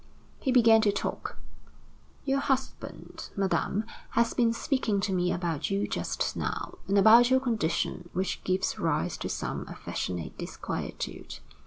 He began to talk: "Your husband, Madame, has been speaking to me about you just now, and about your condition which gives rise to some affectionate disquietude.